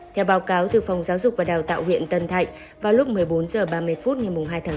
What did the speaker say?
theo báo cáo từ phòng giáo dục và đào tạo huyện tân thạnh vào lúc một mươi bốn h ba mươi phút ngày hai tháng tám